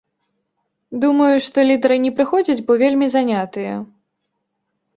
Думаю, што лідары не прыходзяць, бо вельмі занятыя.